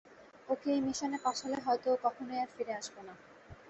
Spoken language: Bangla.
ওকে এই মিশনে পাঠালে, হয়তো ও কখনোই আর ফিরে আসবে না।